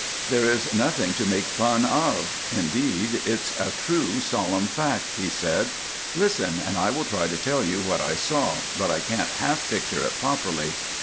"There is nothing to make fun of; indeed, it's a true, solemn fact," he said. "Listen, and I will try to tell you what I saw, but I can't half picture it properly.